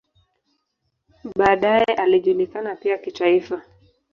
Baadaye alijulikana pia kitaifa.